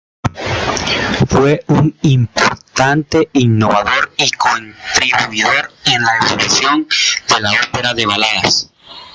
Fue un importante innovador y contribuidor en la evolución de la ópera de baladas.